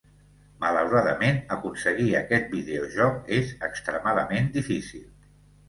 Malauradament, aconseguir aquest videojoc és extremadament difícil.